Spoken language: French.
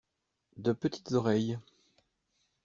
De petites oreilles.